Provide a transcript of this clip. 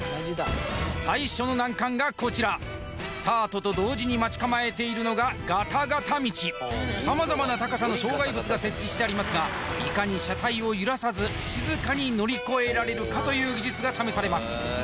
最初の難関がこちらスタートと同時に待ち構えているのがガタガタ道様々な高さの障害物が設置してありますがいかに車体を揺らさず静かに乗り越えられるかという技術が試されます